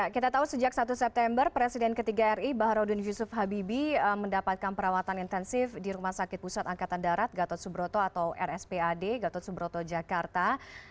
kita tahu sejak satu september presiden ketiga ri baharudin yusuf habibie mendapatkan perawatan intensif di rumah sakit pusat angkatan darat gatot subroto atau rspad gatot subroto jakarta